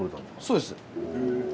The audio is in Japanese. そうです。